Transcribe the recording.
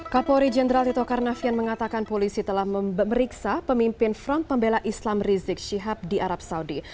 kapolri jenderal tito karnavian mengatakan polisi telah memeriksa pemimpin front pembela islam rizik syihab di arab saudi